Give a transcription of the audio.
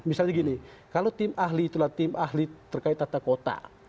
misalnya gini kalau tim ahli itulah tim ahli terkait tata kota